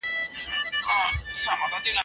ټولنیز نظام په دوو اصلي بڼو منځ ته راغلی دی.